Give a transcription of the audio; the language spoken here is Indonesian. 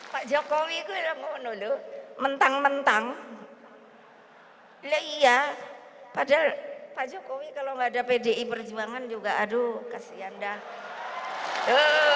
perjuangan juga aduh kasihan dah